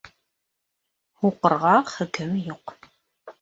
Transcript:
Һуҡырға хөкөм юҡ.